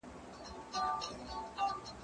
زه اوږده وخت سندري اورم وم؟!